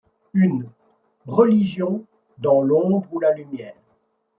Une. Religion, dans l’ombre ou la lumière